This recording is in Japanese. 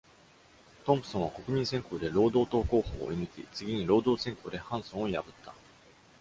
トンプソンは国民選好で労働党候補を追い抜き、次に労働選好でハンソンを破った。